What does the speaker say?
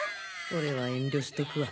俺は遠慮しとくわ。